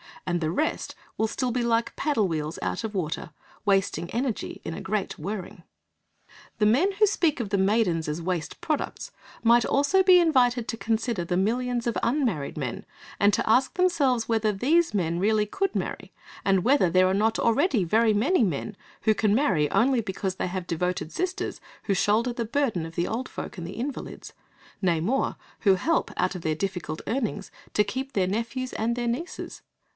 And the rest will still be like paddle wheels out of water, wasting energy in a great whirring. The men who speak of the maidens as waste products might also be invited to consider the millions of unmarried men, and to ask themselves whether these men really could marry, and whether there are not already very many men, who can marry only because they have devoted sisters who shoulder the burden of the old folk and the invalids; nay, more, who help, out of their difficult earnings, to keep their nephews and their nieces.